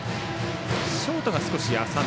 ショートが少し浅め。